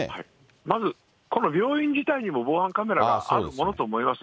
まずこの病院自体にも防犯カメラがあるものと思われます。